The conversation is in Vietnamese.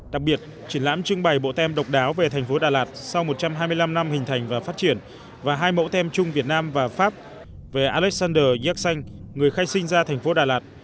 đặc biệt triển lãm trưng bày bộ tem độc đáo về thành phố đà lạt sau một trăm hai mươi năm năm hình thành và phát triển và hai mẫu tem chung việt nam và pháp về alexander yaxin người khai sinh ra thành phố đà lạt